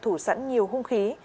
nhóm đều thủ sẵn nhiều hung khí